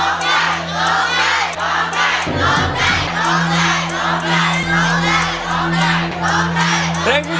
ร้องใหม่ร้องใหญ่ร้องใหญ่ร้องใหญ่ร้องใหญ่ร้องใหญ่ร้องใหญ่